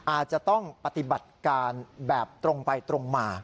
อาจจะต้องปฏิบัติการแบบตรงไปตรงมา